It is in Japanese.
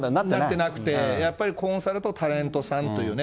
なってなくて、やっぱりコンサルとタレントさんというね。